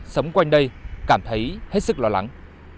sống quanh đây cảm thấy hết sức lo lắng